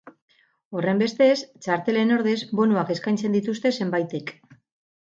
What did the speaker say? Horrenbestez, txartelen ordez bonuak eskaintzen dituzte zenbaitek.